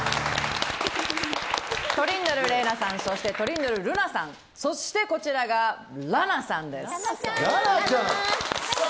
トリンドル玲奈さんそしてトリンドル瑠奈さんそしてこちらが裸奈さんです。